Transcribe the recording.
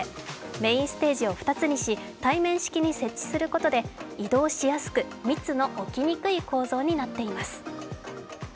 メインステージを２つにし、対面式に設置することで移動しやすく密の起きにくい構造になっています。